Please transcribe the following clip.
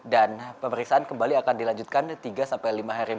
dan pemeriksaan kembali akan dilanjutkan tiga lima hari